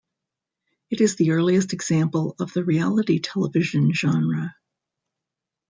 It is the earliest example of the reality television genre.